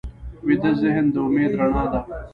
ویده ذهن د امید رڼا ده